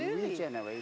dan di regenerasi